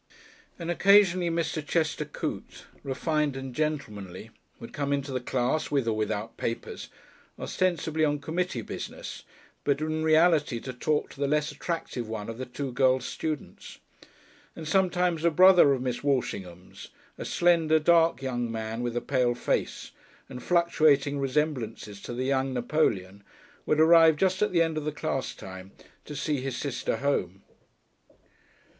And occasionally Mr. Chester Coote refined and gentlemanly would come into the class, with or without papers, ostensibly on committee business, but in reality to talk to the less attractive one of the two girl students; and sometimes a brother of Miss Walshingham's, a slender, dark young man with a pale face, and fluctuating resemblances to the young Napoleon, would arrive just at the end of the class time to see his sister home.